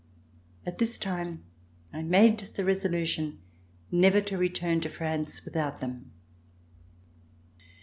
At this time, I made the resolution never to return to France with out them.